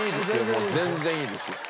もう全然いいです。